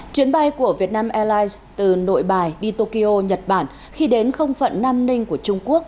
chuyến bay của vietnam airlines từ nội bài đi tokyo nhật bản khi đến không phận nam ninh của trung quốc